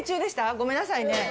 ごめんなさいね。